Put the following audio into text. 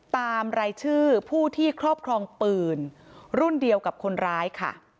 รายชื่อผู้ที่ครอบครองปืนรุ่นเดียวกับคนร้ายค่ะ